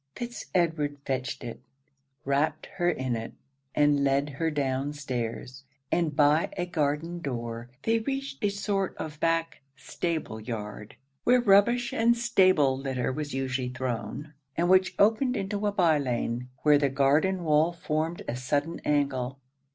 Fitz Edward fetched it, wrapt her in it, and led her down stairs; and by a garden door, they reached a sort of back stable yard, where rubbish and stable litter was usually thrown, and which opened into a bye lane, where the garden wall formed a sudden angle.